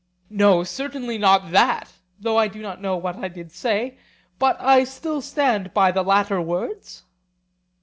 No, certainly not that, though I do not now know what I did say; but I still stand by the latter words.